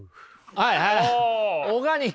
はい。